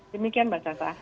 demikian mbak sasa